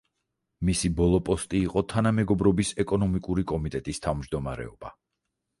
მისი ბოლო პოსტი იყო თანამეგობრობის ეკონომიკური კომიტეტის თავმჯდომარეობა.